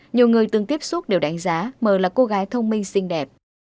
nhiều người từng tiếp xúc đều đánh giá mờ là cô gái thông minh xinh đẹp